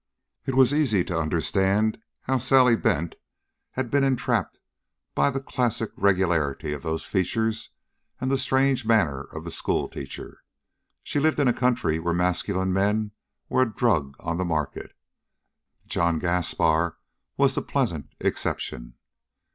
It was easy to understand how Sally Bent had been entrapped by the classic regularity of those features and the strange manner of the schoolteacher. She lived in a country where masculine men were a drug on the market. John Gaspar was the pleasant exception.